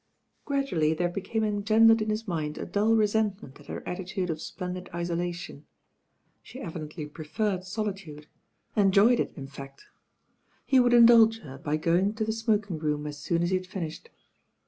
Gradually there became engendered in his mind a dull resentment at her attitude of splendid isola tion. She evidently preferred solitude, enjoyed it THE TWO DRAGONS" 81 im in fact. He would Indulge her by going to the smoking room as soon as he had finished.